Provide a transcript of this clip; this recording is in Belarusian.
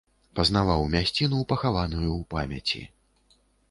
Пазнаваў мясціну, пахаваную ў памяці.